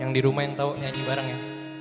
yang di rumah yang tau nyanyi bareng ya